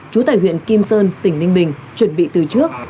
chú tài huyện kim sơn tỉnh ninh bình chuẩn bị từ trước